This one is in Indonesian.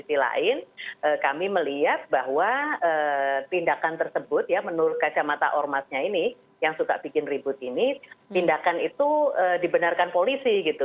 di sisi lain kami melihat bahwa tindakan tersebut ya menurut kacamata ormasnya ini yang suka bikin ribut ini tindakan itu dibenarkan polisi gitu